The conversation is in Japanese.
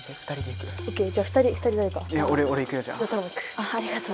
ありがとう。